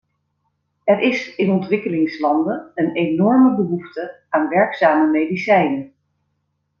Er is in ontwikkelingslanden een enorme behoefte aan werkzame medicijnen.